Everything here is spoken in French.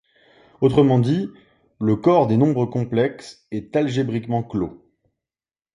Autrement dit, le corps des nombres complexes est algébriquement clos.